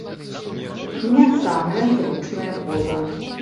Не самая зручная поза.